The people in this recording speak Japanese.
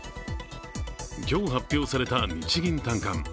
今日発表された日銀短観。